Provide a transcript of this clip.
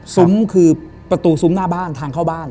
ซุ้มคือประตูซุ้มหน้าบ้านทางเข้าบ้าน